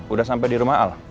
udah sampe di rumah al